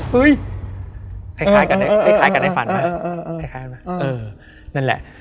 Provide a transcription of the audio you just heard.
เห้ยคล้ายกันให้ฟันใช่ไหม